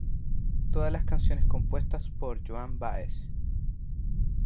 Todas las canciones compuestas por Joan Baez.